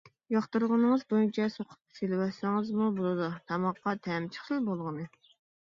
ياقتۇرغىنىڭىز بويىچە سوقۇپ سېلىۋەتسىڭىزمۇ بولىدۇ، تاماققا تەمى چىقسىلا بولغىنى.